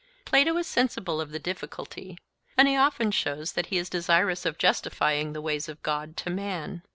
Plato is sensible of the difficulty; and he often shows that he is desirous of justifying the ways of God to man.